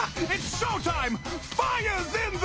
ショータイムだ。